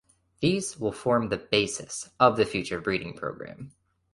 These will form the basis of the future breeding program.